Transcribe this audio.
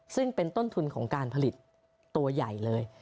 ซึ่งเป็นต้นทุนของการผลิตตัวใหญ่เลย